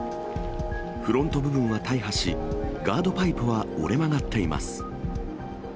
フロント部分は大破し、ガードパイプは折れ曲がっています。